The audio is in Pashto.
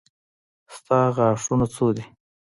ستا غاښونه څو دي.